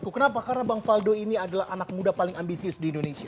kenapa karena bang faldo ini adalah anak muda paling ambisius di indonesia